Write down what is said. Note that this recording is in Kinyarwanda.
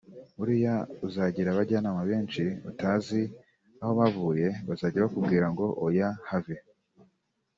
buriya uzagira abajyanama benshi utazi aho bavuye bazajya bakubwira ngo ’oya have